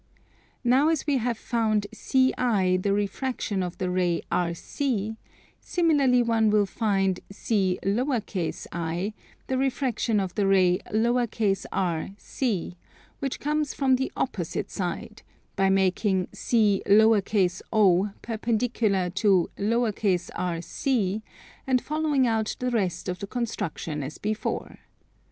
Now as we have found CI the refraction of the ray RC, similarly one will find C_i_ the refraction of the ray _r_C, which comes from the opposite side, by making C_o_ perpendicular to _r_C and following out the rest of the construction as before.